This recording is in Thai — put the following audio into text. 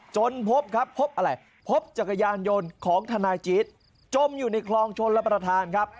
จนพบครับพบอะไรพบจักรยานยนต์ของทนายจี๊ดจมอยู่ในคลองชนรับประทานครับ